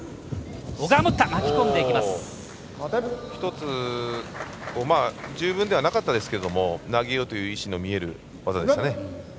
１つ十分ではなかったですけども投げようという意思の見える技でした。